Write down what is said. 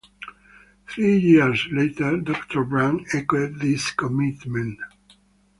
Three years later, Doctor Brandt echoed this commitment.